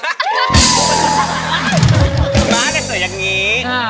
ม้าได้เสด็จอย่างงี้